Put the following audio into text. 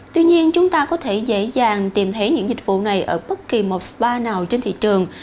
tuy nhiên chúng ta có thể dễ dàng tìm thấy những dịch vụ này ở bất kỳ một spa nào trên thị trường